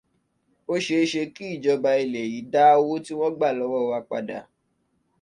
Ó ṣeéṣe kí ìjọba ilẹ̀ yìí dá owọ́ tí wọ́n gbà lọ́wọ́ wa padà.